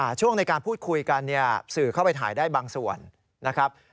ช่วงในการพูดคุยกันเนี่ยสื่อเข้าไปถ่ายได้บางส่วนนะครับ